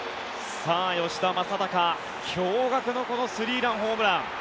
吉田正尚驚がくのスリーランホームラン。